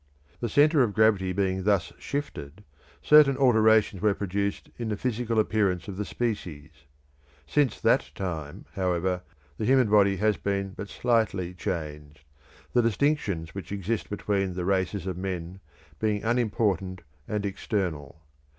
The centre of gravity being thus shifted, certain alterations were produced in the physical appearance of the species; since that time, however, the human body has been but slightly changed, the distinctions which exist between the races of men being unimportant and external.